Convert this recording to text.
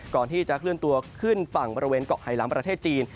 ก่อนที่จะเคลื่อนตัวขึ้นฝั่งบริเวณเกาะไฮลัมประเทศจีน